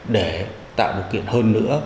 để tạo điều kiện hơn nữa